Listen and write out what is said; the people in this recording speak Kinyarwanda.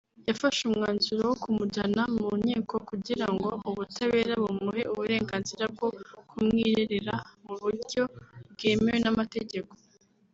yafashe umwanzuro wo kumujyana mu nkiko kugira ngo ubutabera bumuhe uburenganzira bwo kumwirerera mu buryo bwemewe n’amategeko